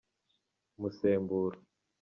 umusemburo.